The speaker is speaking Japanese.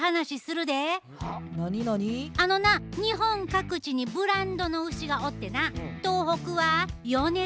あのな日本各地にブランドの牛がおってな東北は米沢牛。